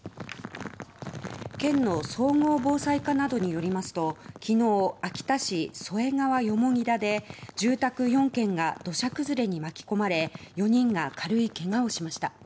県の総合防災課などによりますと昨日、秋田市添川蓬田で住宅４軒が土砂崩れに巻き込まれ４人が軽いけがをしました。